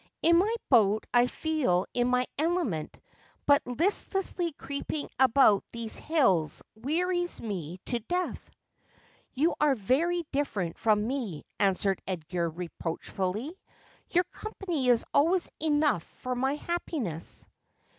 In my boat I feel in my element, but listlessly creeping about these hills wearies me to death.' ' You are very different from me,' answered Edgar reproach fully. ' Your company is always enough for my happiness.'